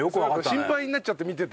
心配になっちゃって見てて。